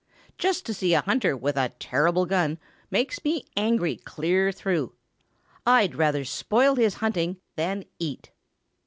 Just to see a hunter with a terrible gun makes me angry clear through. I'd rather spoil his hunting than eat."